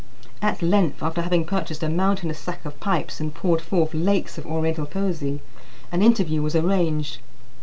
At length, after having purchased a mountainous stack of pipes and poured forth lakes of Oriental poesy, an interview was arranged.